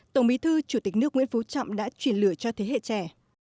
tổng bí thư chủ tịch nước nguyễn phú trọng đã truyền lửa cho thế hệ trẻ